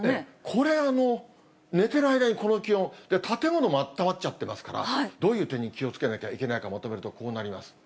これ、寝てる間にこの気温、建物もあったまっちゃってますから、どういう点に気をつけなきゃいけないか、まとめるとこうなります。